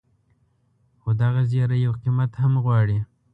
خو دغه زیری یو قیمت هم غواړي.